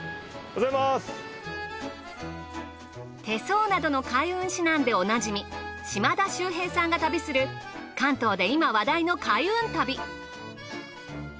手相などの開運指南でおなじみ島田秀平さんが旅する関東で今話題の開運旅。